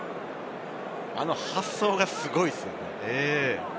あの発想がすごいですよね。